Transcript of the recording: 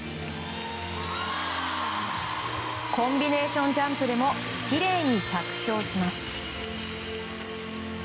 コンビネーションジャンプでもきれいに着氷します。